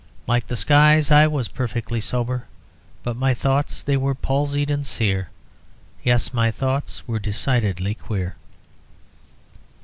Like the skies, I was perfectly sober, But my thoughts they were palsied and sear, Yes, my thoughts were decidedly queer."